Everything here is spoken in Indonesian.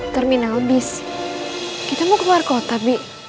terminal bis kita mau keluar kota bu